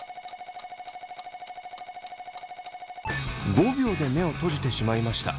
５秒で目を閉じてしまいました。